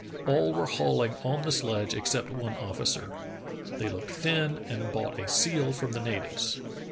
All were hauling on the sledge except one officer. They looked thin and bought a seal from the natives.